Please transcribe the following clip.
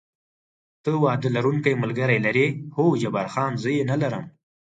ته واده لرونکی ملګری لرې؟ هو، جبار خان: زه یې نه لرم.